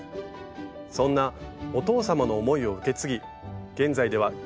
そんなお父様の思いを受け継ぎ現在では教室も開催。